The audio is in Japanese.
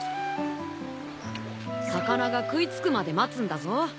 魚が食いつくまで待つんだぞ。